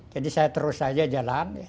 jadi saya terus saja jalan ya